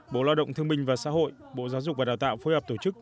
bộ lao động thương minh và xã hội bộ giáo dục và đào tạo phối hợp tổ chức